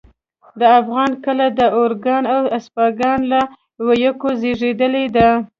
د افغان کله د اوگان او اسپاگان له ويوکو زېږېدلې ده